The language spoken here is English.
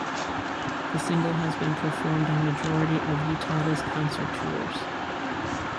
The single has been performed on majority of Utada's concert tours.